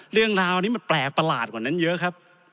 เรื่องราวนี้มันแปลกประหลาดกว่านั้นเยอะครับ